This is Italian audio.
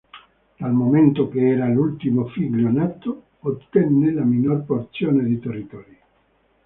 Dal momento che era l'ultimo figlio nato, ottenne la minor porzione di territori.